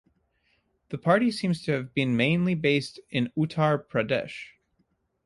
The party seems to have been mainly based in Uttar Pradesh.